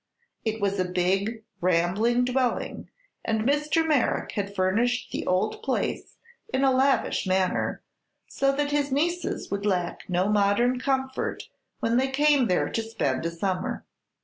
It was a big, rambling dwelling, and Mr. Merrick had furnished the old place in a lavish manner, so that his nieces would lack no modern comfort when they came there to spend a summer.